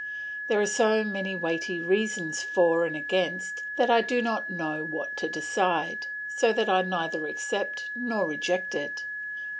There are so many weighty reasons for and against that I do not know what to decide, so that I neither accept nor reject it.